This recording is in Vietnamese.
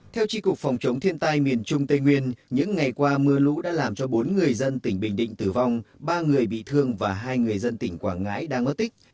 theo tri cục phòng chống thiên tai miền trung tây nguyên những ngày qua mưa lũ đã làm cho bốn người dân tỉnh bình định tử vong ba người bị thương và hai người dân tỉnh quảng ngãi đang ở tích